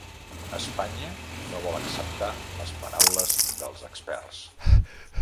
Espanya no vol acceptar les paraules dels experts